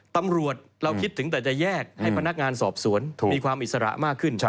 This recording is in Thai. ตำรวจเราคิดถึงแต่จะแยกให้พนักงานสอบสวนมีความอิสระมากขึ้น